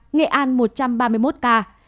nghệ an một trăm ba mươi sáu ca